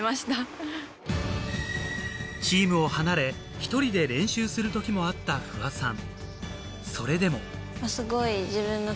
チームを離れ一人で練習する時もあった不破さん